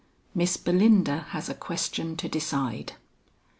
MISS BELINDA HAS A QUESTION TO DECIDE.